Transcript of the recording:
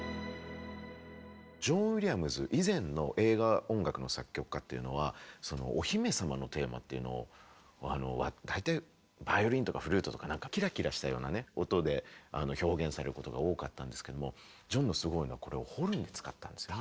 ジョン・ウィリアムズ以前の映画音楽の作曲家っていうのはお姫様のテーマっていうのを大体バイオリンとかフルートとかなんかキラキラしたようなね音で表現されることが多かったんですけどもジョンのすごいのはこれをホルン使ったんですよね。